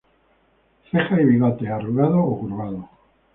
Cejas y bigotes: Arrugado o curvado.